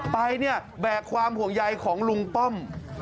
ไปเนี่ยแบกความห่วงใยของลุงป้อม